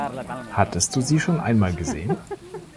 Hattest du sie schon einmal gesehen?